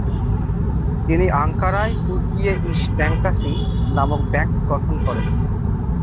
তিনি আঙ্কারায় Turkiye Is Bankasi নামক ব্যাংক গঠন করেন।